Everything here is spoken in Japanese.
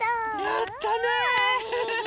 やったね！